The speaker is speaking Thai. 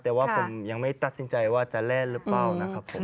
แต่ว่าผมยังไม่ตัดสินใจว่าจะแล่นหรือเปล่านะครับผม